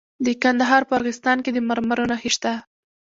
د کندهار په ارغستان کې د مرمرو نښې شته.